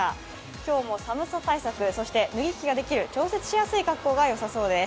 今日も寒さ対策、そして脱ぎ着ができる調節しやすい格好がよさそうです。